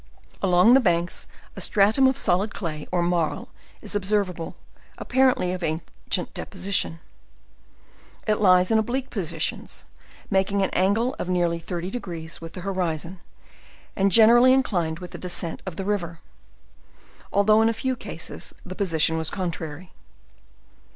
Along the banks a stratum of solid clay, or marl, is observable, apparently of ancient deposition. It lies in ob lique positions, making an angle of nearly 30 degrees with the horizon, and generally inclined with the descent of the river, although in a few cases the position was contrary.